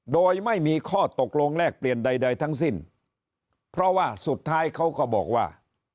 โดยไม่มีข้อตกลงแลกเปลี่ยนใดทั้งสิ้นเพราะว่าสุดท้ายเขาก็บอกว่า